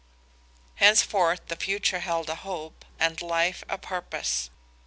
Henceforth the future held a hope, and life a purpose.